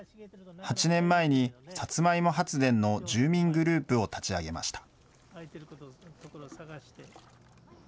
８年前にサツマイモ発電の住民グループを立ち上げました。